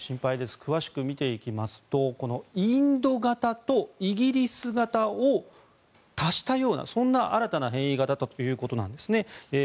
詳しく見ていきますとインド型とイギリス型を足したようなそんな新たな変異型だということですね。